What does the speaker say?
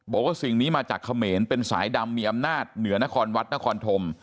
บอกว่าสิ่งนี้มาจากเขมรเป็นสายดำมีอำนาจเหนือนครวัดนครธม